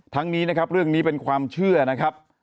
นี้นะครับเรื่องนี้เป็นความเชื่อนะครับ